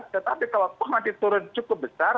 tetapi kalau vaksin turun cukup besar